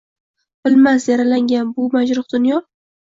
Bilmas, yaralangan bu majruh dunyo